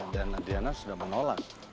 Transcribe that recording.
dan adriana sudah menolak